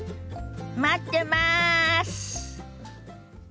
待ってます！